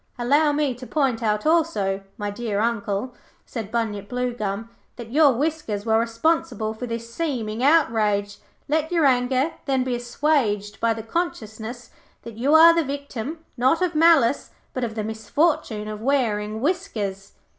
'Allow me to point out also, my dear Uncle,' said Bunyip Bluegum, 'that your whiskers were responsible for this seeming outrage. Let your anger, then, be assuaged by the consciousness that you are the victim, not of malice, but of the misfortune of wearing whiskers.'